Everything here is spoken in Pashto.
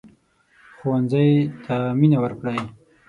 ښوونځی ته مينه ورکړئ